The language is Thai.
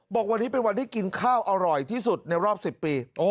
บอกวันนี้เป็นวันที่กินข้าวอร่อยที่สุดในรอบ๑๐ปี